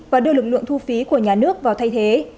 và đưa lực lượng thu phí của nhà nước vào thay thế